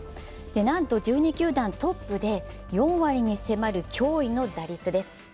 なんと１２球団トップで４割に迫る驚異の打率です。